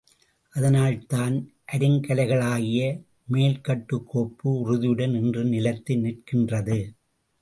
அதனால்தான் அருங்கலைகளாகிய மேல்கட்டுக்கோப்பு உறுதியுடன் இன்றும் நிலைத்து நிற்கின்றது.